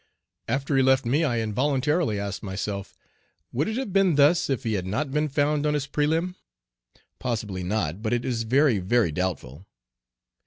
After he left me I involuntarily asked myself, "Would it have been thus if he had not been 'found on his prelim?' " Possibly not, but it is very, very doubtful.